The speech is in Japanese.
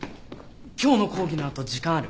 今日の講義の後時間ある？